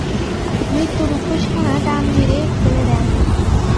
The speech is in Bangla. মৃত্যু মুখোশখানা টান মেরে ফেলে দেয়।